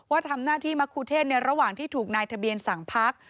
ทำหน้าที่มะครูเทศในระหว่างที่ถูกนายทะเบียนสั่งพัก